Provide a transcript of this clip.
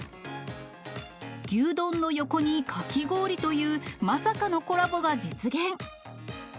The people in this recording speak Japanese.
牛丼の横にかき氷という、まさかのコラボが実現。